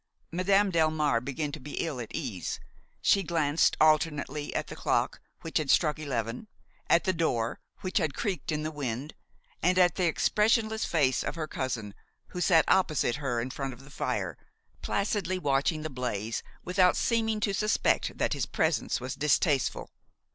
Madame Delmare began to be ill at ease; she glanced alternately at the clock, which had struck eleven–at the door, which had creaked in the wind–and at the expressionless face of her cousin, who sat opposite her in front of the fire, placidly watching the blaze without seeming to suspect that his presence was distasteful.